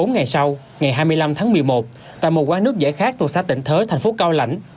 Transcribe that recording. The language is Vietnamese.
bốn ngày sau ngày hai mươi năm tháng một mươi một tại một quán nước giải khác thuộc xã tịnh thới thành phố cao lãnh